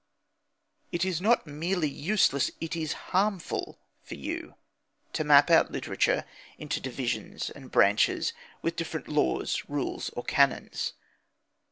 It is not merely useless, it is harmful, for you to map out literature into divisions and branches, with different laws, rules, or canons.